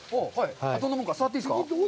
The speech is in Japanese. どんなもんか触っていいですか？